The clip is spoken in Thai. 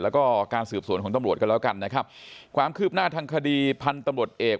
แล้วก็การสืบสวนของตำรวจกันแล้วกันนะครับความคืบหน้าทางคดีพันธุ์ตำรวจเอก